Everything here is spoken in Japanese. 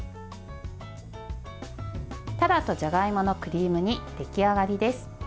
たらとじゃがいものクリーム煮出来上がりです。